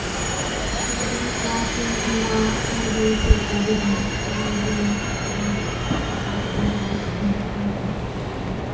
Irving worked in the movie theater business, managing theaters in Dallas and Albuquerque.